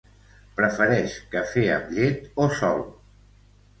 Prefereix cafè amb llet o sol?